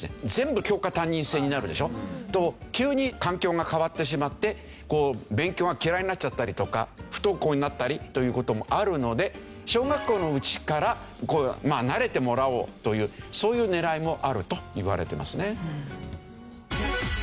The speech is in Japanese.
というのも急に環境が変わってしまって勉強が嫌いになっちゃったりとか不登校になったりという事もあるので小学校のうちから慣れてもらおうというそういう狙いもあるといわれてますね。